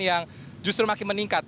yang justru makin meningkat